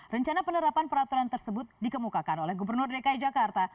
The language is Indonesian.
rencana penerapan peraturan tersebut dikemukakan oleh gubernur dki jakarta